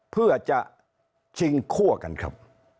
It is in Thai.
เพื่อจะชิงคั่วกันครับ